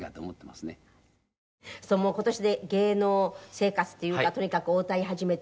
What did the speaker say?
するともう今年で芸能生活っていうかとにかくお歌い始めて。